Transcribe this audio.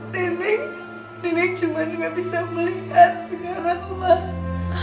nenek nenek cuma juga bisa melihat segala galanya